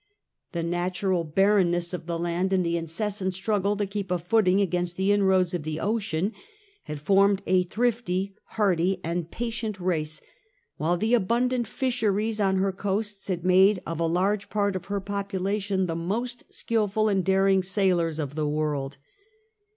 The natural barrenness of the land, and the incessant struggle to keep a footing against the inroads of the ocean, had formed a thrifty, hardy, and patient race, while the abundant fishery on her coasts had made of a large part of her population the most skilful and daring 1 12 The Dutch Republic. 523167a sailors of the world.